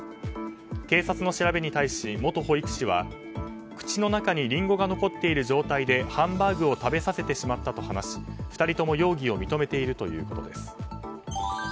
警察の調べに対し、元保育士は口の中にリンゴが残っている状態でハンバーグを食べさせてしまったと話し２人とも、容疑を認めているということです。